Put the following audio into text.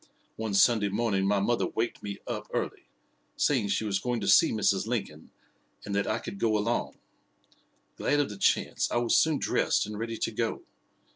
One Sunday morning my mother waked me up early, saying she was going to see Mrs. Lincoln, and that I could go along. Glad of the chance, I was soon dressed and ready to go.